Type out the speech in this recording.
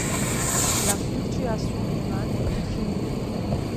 La fluctuation humaine est infinie.